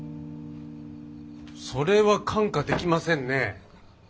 それは看過できませんね。